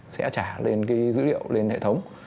sẽ trả lên cái dữ liệu lên hệ thống